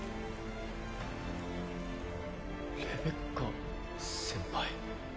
レベッカ先輩？